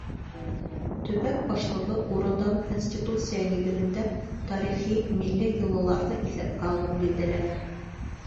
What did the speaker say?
Төбәк башлығы урындағы Конституция нигеҙендә тарихи, милли йолаларҙы иҫәпкә алып билдәләнә.